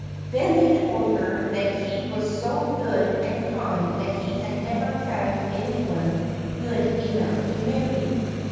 Then they told her that he was so good and kind that he had never found any one good enough to marry.